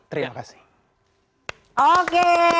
terima kasih oke